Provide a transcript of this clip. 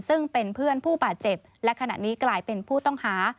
ซึ่งเป็นเพื่อนผู้บาดเจ็บและขณะนี้กลายเป็นผู้ต้องหา